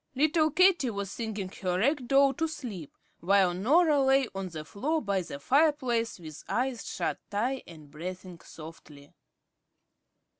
Little Katie was singing her rag doll to sleep, while Norah lay on the floor by the fireplace with eyes shut tight and breathing softly.